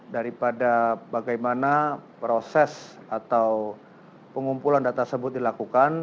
daripada bagaimana proses atau pengumpulan data tersebut dilakukan